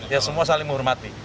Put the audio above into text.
ya semua saling menghormati